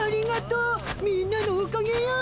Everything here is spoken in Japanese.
みんなのおかげよ。